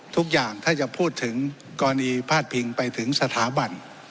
ทุกอย่างถ้าจะพูดถึงกรณีพาดพิงไปถึงสถาบัน